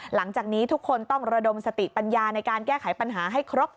หลังจากนี้ทุกคนต้องระดมสติปัญญาในการแก้ไขปัญหาให้ครบ